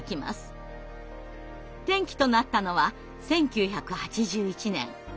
転機となったのは１９８１年。